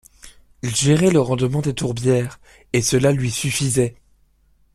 Il gérait le rendement des tourbières, et cela lui suffisait.